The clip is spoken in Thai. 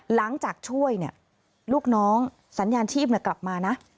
หลังจากช่วยเนี่ยลูกน้องสัญญาณชีพกลับมานะ